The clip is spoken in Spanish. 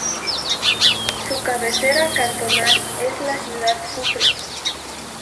Su cabecera cantonal es la ciudad de Sucre.